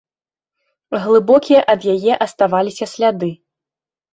Глыбокія ад яе аставаліся сляды.